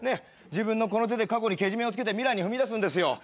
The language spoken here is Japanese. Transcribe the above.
自分の手で過去にけじめをつけて未来に踏み出すんですよ。